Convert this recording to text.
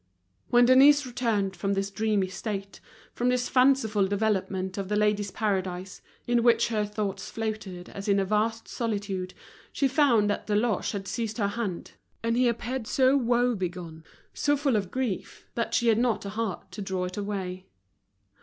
When Denise returned from this dreamy state, from this fanciful development of The Ladies' Paradise, in which her thoughts floated as in a vast solitude, she found that Deloche had seized her hand. And he appeared so woe begone, so full of grief, that she had not the heart to draw it away.